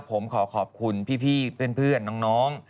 ผมขอขอบคุณพี่เพื่อนน้อง